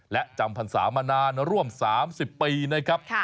และจำพันษามานาร่วม๓๐ปี